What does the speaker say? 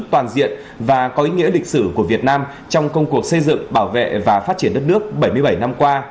toàn diện và có ý nghĩa lịch sử của việt nam trong công cuộc xây dựng bảo vệ và phát triển đất nước bảy mươi bảy năm qua